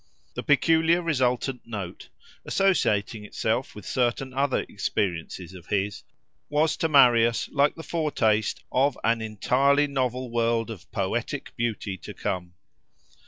The peculiar resultant note, associating itself with certain other experiences of his, was to Marius like the foretaste of an entirely novel world of poetic beauty to come.